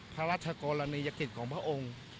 พระราชกรณียกิจของพระองค์